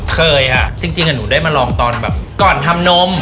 เคยค่ะจริงหนูได้มาลองตอนแบบก่อนทำนม